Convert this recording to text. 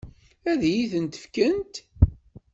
Ad iyi-t-fkent?